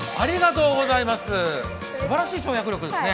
すばらしい跳躍力ですね。